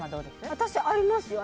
私、ありますよ。